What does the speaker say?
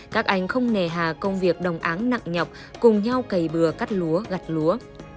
các anh không nề hà công việc đồng áng nặng nhọc cùng nhau cầy bừa cắt lúa gặt lúa